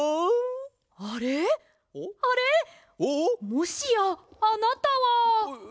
もしやあなたは。